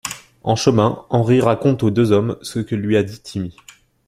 En chemin, Henry raconte aux deux hommes ce que lui a dit Timmy.